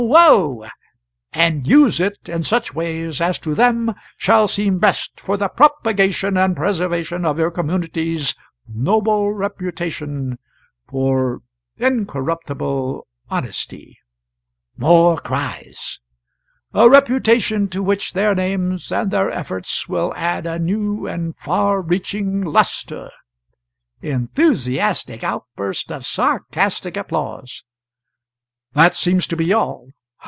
Oh! Oh!"], and use it in such ways as to them shall seem best for the propagation and preservation of your community's noble reputation for incorruptible honesty [more cries] a reputation to which their names and their efforts will add a new and far reaching lustre." [Enthusiastic outburst of sarcastic applause.] That seems to be all.